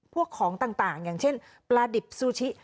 พวกของต่างอย่างเช่นปลาดิบซูชิ